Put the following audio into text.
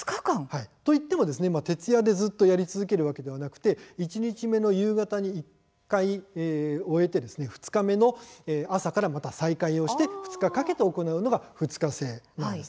といっても徹夜でずっとやり続けるわけではなくて１日目の夕方に１回終えて２日目の朝からまた再開をして２日かけて行うのが２日制なんです。